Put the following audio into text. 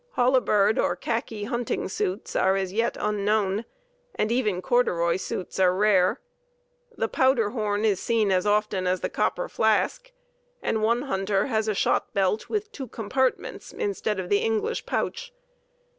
Holabird or khaki hunting suits are as yet unknown, and even corduroy coats are rare. The powder horn is seen as often as the copper flask, and one hunter has a shot belt with two compartments instead of the English pouch.